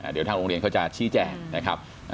เดี๋ยวทางโรงเรียนเขาจะชี้แจงนะครับ